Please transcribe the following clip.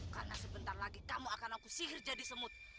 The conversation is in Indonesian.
karena sebentar lagi kamu akan aku sihir jadi semut